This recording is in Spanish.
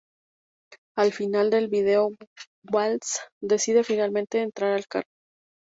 Al final del video Walsh decide finalmente entrar al carro.